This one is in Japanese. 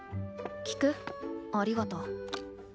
聞く？ありがと。